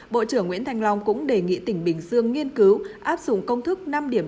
bộ trưởng nguyễn thanh long cũng đề nghị tỉnh bình dương nghiên cứu áp dụng công thức năm điểm